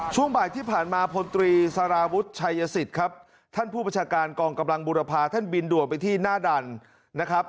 ช่วงบ่ายที่ผ่านมาพลตรีสารวุฒิชัยสิทธิ์ครับท่านผู้ประชาการกองกำลังบุรพาท่านบินด่วนไปที่หน้าดันนะครับ